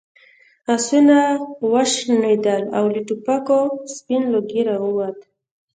آسونه وشڼېدل او له ټوپکو سپین لوګی راووت.